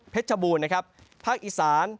ชบูรณ์นะครับภาคอีสาน